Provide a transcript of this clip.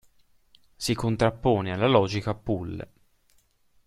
Si contrappone alla logica pull.